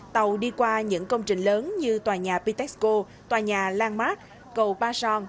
tàu đi qua những công trình lớn như tòa nhà pitexco tòa nhà landmark cầu ba son